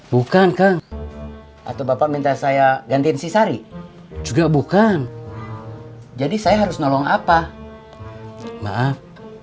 bukan kang atau bapak minta saya gantiin si sari juga bukan jadi saya harus nolong apa maaf